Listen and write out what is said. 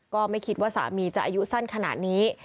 ก็ไม่คิดว่าสามีจะอายุสั้นขนาดนี้